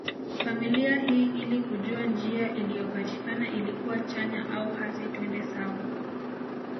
Familia hii ili kujua njia iliyopatikana ilikuwa chanya au hasi twende sawa